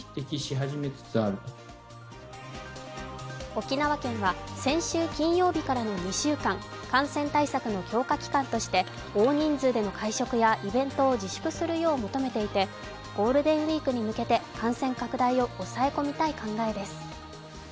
沖縄県は、先週金曜日からの２週間、感染対策の強化期間として大人数での会食やイベントを自粛するよう求めていてゴールデンウイークに向けて感染拡大を抑え込みたい考えです。